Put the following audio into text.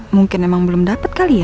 mungkin emang belum dapat kali ya